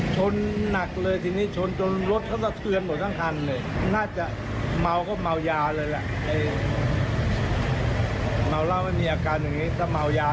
ชนป่ะชนเบาเสร็จแล้วถอยกลับมา